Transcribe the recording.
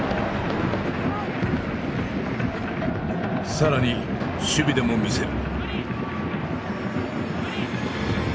更に守備でも魅せる。